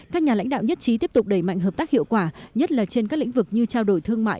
các nhà lãnh đạo nhất trí tiếp tục đẩy mạnh hợp tác hiệu quả nhất là trên các lĩnh vực như trao đổi thương mại